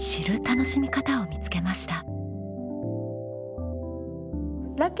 楽しみ方を見つけました。